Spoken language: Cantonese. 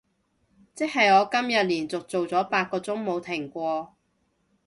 即係我今日連續做咗八個鐘冇停過